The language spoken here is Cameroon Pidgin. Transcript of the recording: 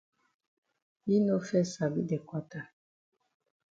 Yi no fes sabi de kwata.